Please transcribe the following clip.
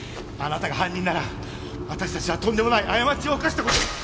あなたが犯人なら私たちはとんでもない過ちを犯した事に。